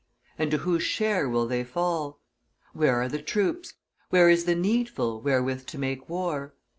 And to whose share will they fall? Where are the troops? Where is the needful, wherewith to make war?